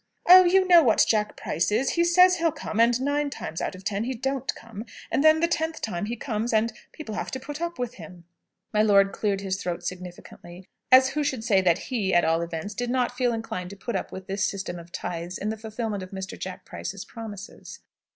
"Oh, you know what Jack Price is. He says he'll come, and nine times out of ten he don't come; and then the tenth time he comes, and people have to put up with him." My lord cleared his throat significantly, as who should say that he, at all events, did not feel inclined to put up with this system of tithes in the fulfilment of Mr. Jack Price's promises.